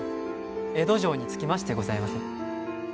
江戸城に着きましてございます。